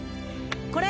これ！